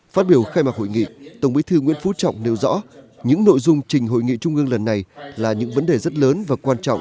phát biểu khai mạc hội nghị tổng bí thư nguyễn phú trọng nêu rõ những nội dung trình hội nghị trung ương lần này là những vấn đề rất lớn và quan trọng